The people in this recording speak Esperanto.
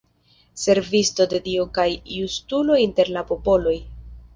Servisto de Dio kaj justulo inter la popoloj.